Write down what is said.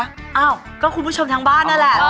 อ้าวก็คุณผู้ชมทางบ้านนั่นแหละ